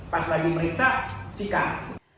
pas lagi merisak sikat